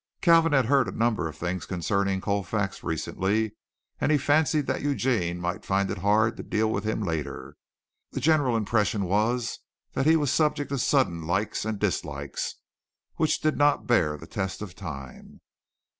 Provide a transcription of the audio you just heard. Kalvin had heard a number of things concerning Colfax recently, and he fancied that Eugene might find it hard to deal with him later. The general impression was that he was subject to sudden likes and dislikes which did not bear the test of time.